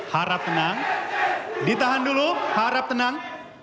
harap tenang ditahan dulu harap tenang